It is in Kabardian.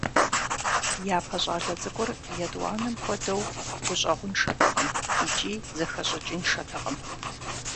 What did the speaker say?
Япэ щӏалэ цӏыкӏур етӏуанэм хуэдэу гущӏэгъуншэтэкъым икӏи зэхэщӏыкӏыншэтэкъым.